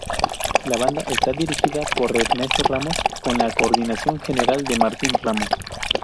La banda está dirigida por Ernesto Ramos con la coordinación general de Martín Ramos.